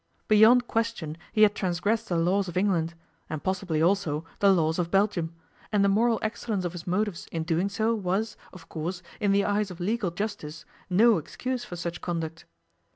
Beyond question he had transgressed the laws of England, and possibly also the laws of Belgium; and the moral excellence of his motives in doing so was, of course, in the eyes of legal justice, no excuse for such conduct.